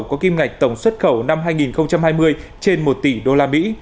có kim ngạch tổng xuất khẩu năm hai nghìn hai mươi trên một tỷ usd